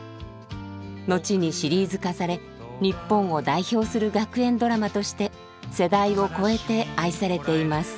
後にシリーズ化され日本を代表する学園ドラマとして世代を超えて愛されています。